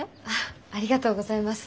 ありがとうございます。